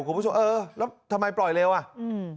คุณผู้ชมเออแล้วทำไมปล่อยเร็วอ่ะอืม